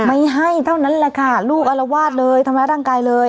ไม่ให้เท่านั้นแหละค่ะลูกอารวาสเลยทำร้ายร่างกายเลย